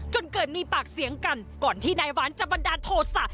จนเกิดมีปากเสียงกันก่อนที่นายหวานจะบันดาลโทษะ